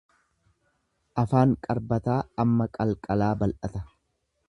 Afaan qarbataa amma qanqalaa bal'ata.